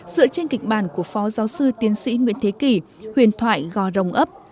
dựa trên kịch bản của phó giáo sư tiến sĩ nguyễn thế kỳ huyền thoại gò rồng ấp